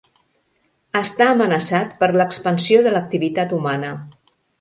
Està amenaçat per l'expansió de l'activitat humana.